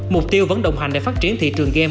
mục tiêu vẫn đồng hành để phát triển thị trường game